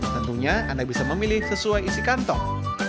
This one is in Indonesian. tentunya anda bisa memilih sesuai isi kantong